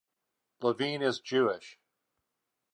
Lavin is Jewish.